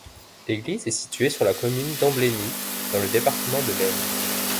L'église est située sur la commune d'Ambleny, dans le département de l'Aisne.